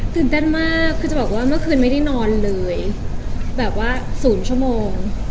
เต้นมากคือจะบอกว่าเมื่อคืนไม่ได้นอนเลยแบบว่า๐ชั่วโมง